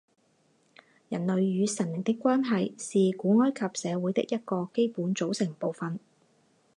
人类与神灵的关系是古埃及社会的一个基本组成部分。